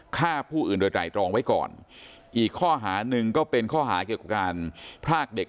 ฆ่าผู้อื่นโดยไตรรองไว้ก่อนอีกข้อหาหนึ่งก็เป็นข้อหาเกี่ยวกับการพรากเด็ก